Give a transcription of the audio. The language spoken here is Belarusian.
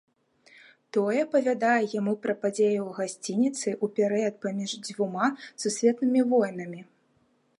Той апавядае яму пра падзеі ў гасцініцы ў перыяд паміж дзвюма сусветнымі войнамі.